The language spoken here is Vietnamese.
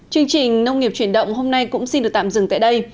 chương trình nông nghiệp chuyển động hôm nay cũng xin được tạm dừng tại đây